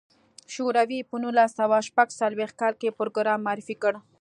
شوروي په نولس سوه شپږ څلوېښت کال کې پروګرام معرفي کړ.